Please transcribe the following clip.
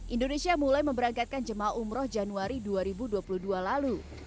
indonesia mulai memberangkatkan jemaah umroh januari dua ribu dua puluh dua lalu